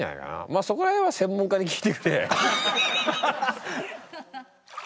まあそこら辺は専門家に聞いてくれ。